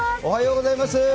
おはようございます。